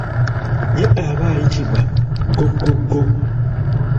Ye aba ayitibwa ggoggoggo.